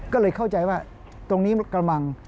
ก็เลยเข้าใจว่าตรงนี้กระมัง